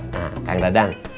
nah kang dadang